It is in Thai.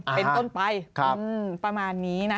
เป็นต้นไปประมาณนี้นะ